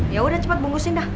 ya udah cepet bungkusin dah